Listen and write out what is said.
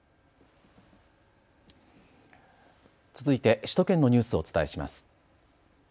続いて首都圏のニュースをお伝えします。